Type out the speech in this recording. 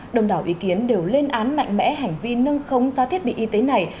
đồng đảo ý kiến đều lên án mạnh mẽ hành vi nâng khống giá thiết bị y tế này